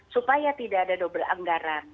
supaya tidak ada double anggaran